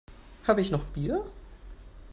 Habe ich noch Bier?